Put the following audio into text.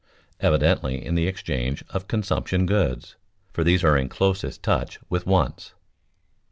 Evidently in the exchange of consumption goods, for these are in closest touch with wants.